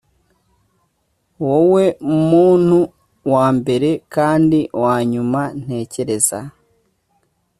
wowe muntu wambere kandi wanyuma ntekereza.